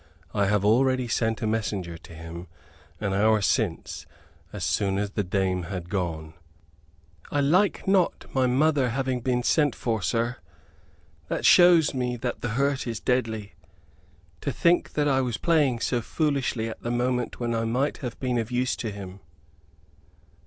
I have already sent a messenger to him, an hour since, so soon as the dame had gone." "I like not my mother having been sent for, sir. That shows me that the hurt is deadly. To think that I was playing so foolishly at the moment when I might have been of use to him!"